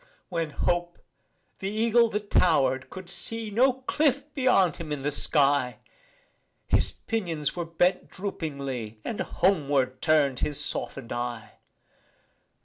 When Hope, the eagle that tower'd, could see No cliff beyond him in the sky, His pinions were bent droopingly And homeward turn'd his soften'd eye.